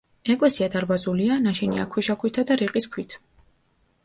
ეკლესია დარბაზულია, ნაშენია ქვიშაქვითა და რიყის ქვით.